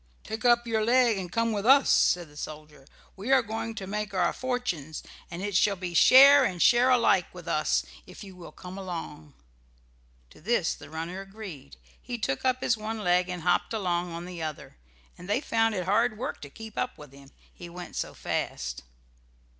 "Take up your leg and come with us," said the soldier. "We are going to make our fortunes, and it shall be share and share alike with us if you will come along." To this the runner agreed. He took up his one leg and hopped along on the other, and they found it hard work to keep up with him, he went so fast.